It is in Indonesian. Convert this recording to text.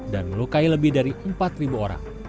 melukai lebih dari empat orang